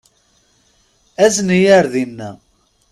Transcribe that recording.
Azen-iyi ar dina.